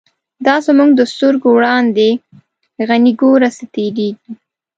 دا زمونږ د سترگو وړاندی، «غنی » گوره څه تیریږی